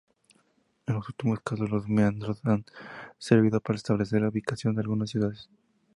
En algunos casos, los meandros han servido para establecer la ubicación de algunas ciudades.